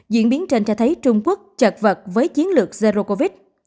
diễn biến trên cho thấy trung quốc chật vật với chiến lược zero covid